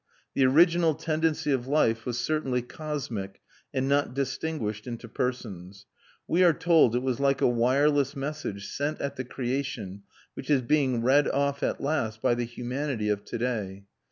The original tendency of life was certainly cosmic and not distinguished into persons: we are told it was like a wireless message sent at the creation which is being read off at last by the humanity of to day.